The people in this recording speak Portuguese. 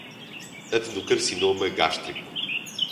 Adenocarcinoma Gástrico